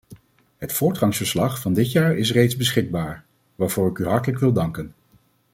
Het voortgangsverslag van dit jaar is reeds beschikbaar, waarvoor ik u hartelijk wil danken.